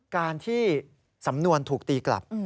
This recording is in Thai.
การที่สำนวนถูกตีกลับ